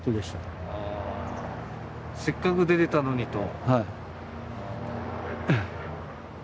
せっかく出れたのにと。